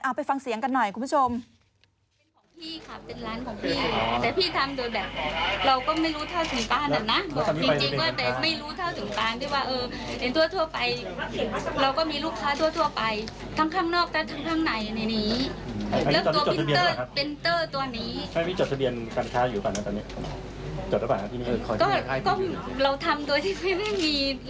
ไปฟังเสียงกันหน่อยคุณผู้ชม